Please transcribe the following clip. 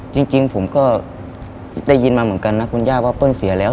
จริงผมก็ได้ยินมาเหมือนกันนะคุณย่าว่าเปิ้ลเสียแล้ว